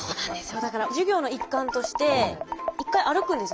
だから授業の一環として一回歩くんですよ